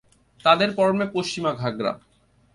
তাদের পরনে পশ্চিমা ঘাগরা।